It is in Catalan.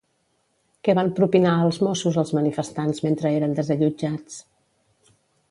Què van propinar als Mossos els manifestants mentre eren desallotjats?